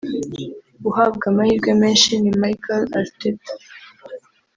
uhabwa amahirwe menshi ni Mikel Arteta